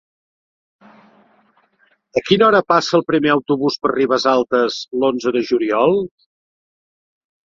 A quina hora passa el primer autobús per Ribesalbes l'onze de juliol?